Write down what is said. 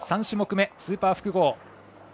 ３種目め、スーパー複合。